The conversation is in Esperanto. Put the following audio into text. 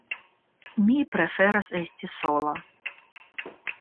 Mi preferas esti sola.